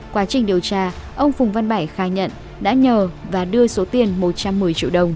quá trình điều tra ông phùng văn bảy khai nhận đã nhờ và đưa số tiền một trăm một mươi triệu đồng